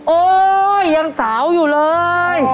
โอ๊ยยังสาวอยู่เลย